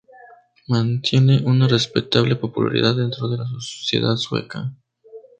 Mantiene una respetable popularidad dentro de la sociedad sueca.